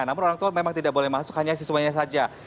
namun orang tua memang tidak boleh masuk hanya siswanya saja